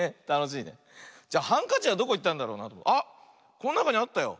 こんなかにあったよ。